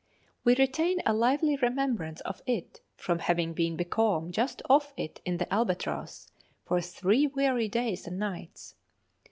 We retain a lively remembrance of it from having been becalmed just off it in the 'Albatross' for three weary days and nights.